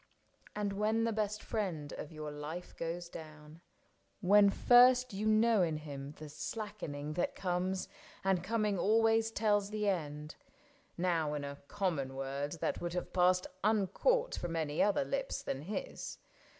And when the best friend of your life goes down, When first you know in him the slackening That comes, and coming always tells the end, — Now in a common word that would have passed Uncaught from any other lips than his.